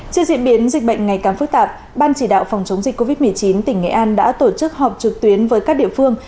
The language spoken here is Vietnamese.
trước diễn biến dịch bệnh ngày càng phức tạp ban chỉ đạo phòng chống dịch covid một mươi chín tỉnh nghệ an đã tổ chức họp trực tuyến với các địa phương